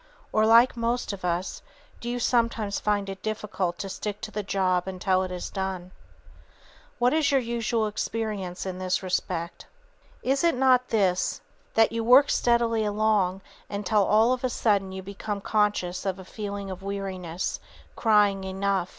Or, like most of us, do you sometimes find it difficult to stick to the job until it is done? What is your usual experience in this respect? Is it not this, that you work steadily along until of a sudden you become conscious of a feeling of weariness, crying "Enough!"